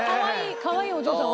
かわいいお嬢さん